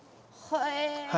へえ。